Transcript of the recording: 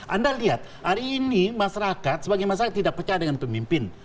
anda lihat hari ini masyarakat sebagai masyarakat tidak percaya dengan pemimpin